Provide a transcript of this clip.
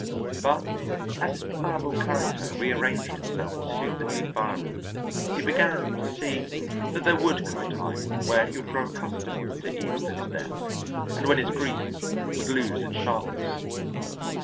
But as his pliable character rearranged itself to suit the new environment, he began to see that there would come a time when he would grow accustomed to Ida's death and when his grief would lose its sharpness.